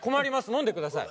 飲んでください。